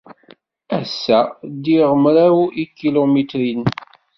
Ass-a, ddiɣ mraw n yikilumitren.